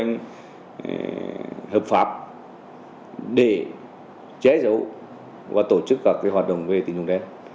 kinh doanh hợp pháp để chế giấu và tổ chức các cái hoạt động về tín dụng đen